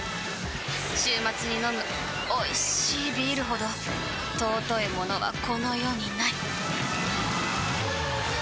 週末に飲むおいしいビールほど尊いものはこの世にない！